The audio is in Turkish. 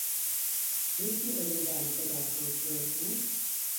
Niçin ölümden bu kadar korkuyorsunuz?